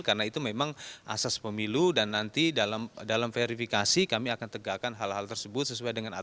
karena itu memang asas pemilu dan nanti dalam verifikasi kami akan tegakkan hal hal tersebut sesuai dengan aturan